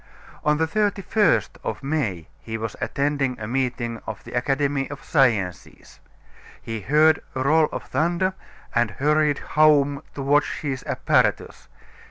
On the 31st of May he was attending a meeting of the Academy of Sciences. He heard a roll of thunder and hurried home to watch his apparatus.